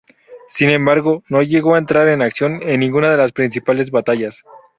Sin embargo, no llegó a entrar en acción en ninguna de las principales batallas.